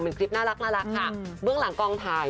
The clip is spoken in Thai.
เป็นคลิปน่ารักค่ะเบื้องหลังกองถ่าย